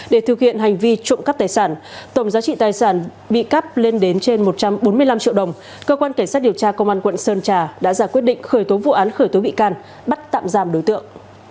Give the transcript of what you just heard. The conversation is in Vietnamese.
để thực hiện hành vi trộm cắp tài sản tổng giá trị tài sản bị cắp lên đến trên một trăm bốn mươi năm triệu đồng cơ quan cảnh sát điều tra công an quận sơn trà đã giả quyết định khởi tố vụ án khởi tố bị can bắt tạm giam đối tượng